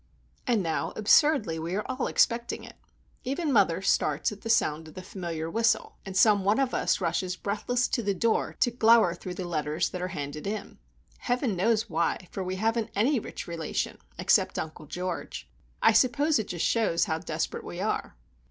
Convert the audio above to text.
And now, absurdly, we are all expecting it! Even mother starts at the sound of the familiar whistle, and some one of us rushes breathless to the door to glower through the letters that are handed in. Heaven knows why!—for we haven't any rich relation except Uncle George. I suppose it just shows how desperate we are.